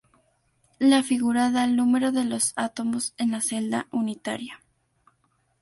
La figura da el número de los átomos en la celda unitaria.